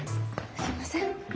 すいません。